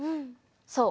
そう。